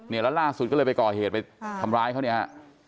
แล้วล่าสุดก็เลยไปก่อเหตุไปทำร้ายเขาเนี่ยฮะ